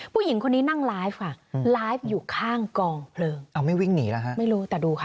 ผู้หญิงคนนี้นั่งไลฟ์ค่ะไลฟ์อยู่ข้างกองเพลิงเอาไม่วิ่งหนีแล้วฮะไม่รู้แต่ดูค่ะ